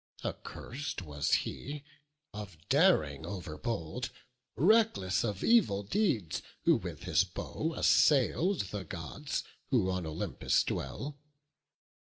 Accurs'd was he, of daring over bold, Reckless of evil deeds, who with his bow Assail'd the Gods, who on Olympus dwell.